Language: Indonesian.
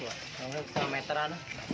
kalau yang masih tergenang meteran